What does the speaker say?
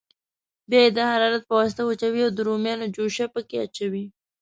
بیا یې د حرارت په واسطه وچوي او د رومیانو جوشه پکې اچوي.